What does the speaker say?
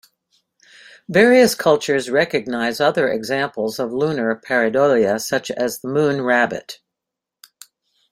Various cultures recognise other examples of lunar pareidolia, such as the Moon rabbit.